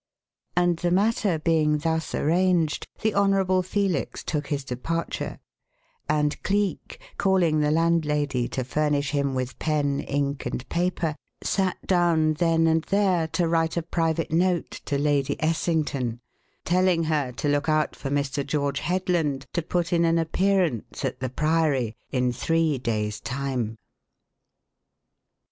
And the matter being thus arranged, the Honourable Felix took his departure; and Cleek, calling the landlady to furnish him with pen, ink, and paper, sat down then and there to write a private note to Lady Essington, telling her to look out for Mr. George Headland to put in an appearance at the Priory in three days' time.